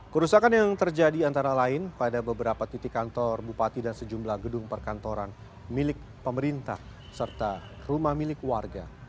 kerusakan yang terjadi antara lain pada beberapa titik kantor bupati dan sejumlah gedung perkantoran milik pemerintah serta rumah milik warga